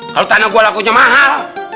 kalo tanda gua lakunya mahal